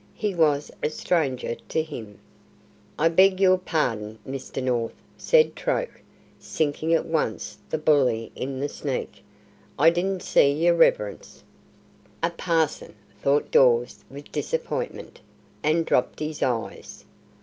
He was a stranger to him. "I beg yer pardon, Mr. North," said Troke, sinking at once the bully in the sneak. "I didn't see yer reverence." "A parson!" thought Dawes with disappointment, and dropped his eyes.